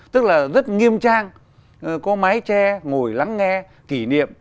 tức là rất nghiêm trang có mái che ngồi lắng nghe kỷ niệm